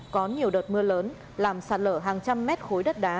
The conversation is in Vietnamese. có nhiều đợt mưa lớn làm sạt lở hàng trăm mét khối đất đá